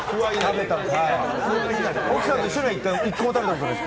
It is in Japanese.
奥さんと一緒には、１個も食べたことがないです。